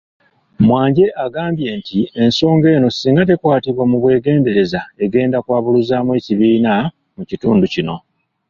Mwanje agambye nti ensonga eno singa tekwatibwa mu bwegendereza egenda kwabuluzaamu ekibiina mukitundu kino.